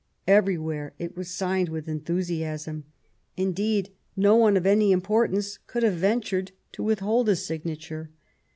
Everywhere it was signed with enthusiasm. Indeed no one of any importance could have ventured to withhold his signature.